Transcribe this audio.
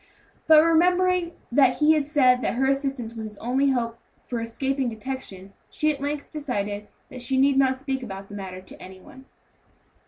But remembering that he had said that her assistance was his only hope for escaping detection, she at length decided that she need not speak about the matter to any one.